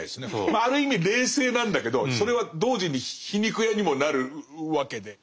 まあある意味冷静なんだけどそれは同時に皮肉屋にもなるわけで。